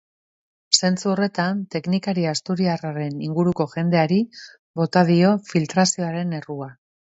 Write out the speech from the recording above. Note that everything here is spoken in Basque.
Zentzu horretan, teknikari asturiarraren inguruko jendeari bota dio filtrazioaren errua.